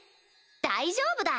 大丈夫だ！